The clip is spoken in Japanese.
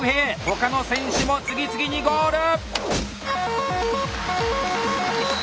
他の選手も次々にゴール！